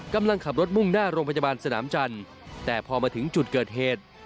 กำลังขับรถมุ่งหน้าโรงพยาบาลสนามจันทร์แต่พอมาถึงจุดเกิดเหตุ